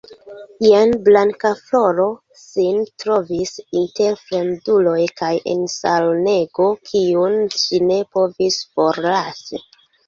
Jen Blankafloro sin trovis inter fremduloj kaj en salonego, kiun ŝi ne povis forlasi.